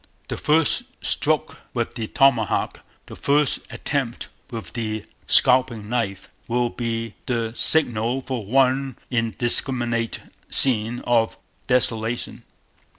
The first stroke with the Tomahawk, the first attempt with the Scalping Knife, will be the Signal for one indiscriminate scene of desolation.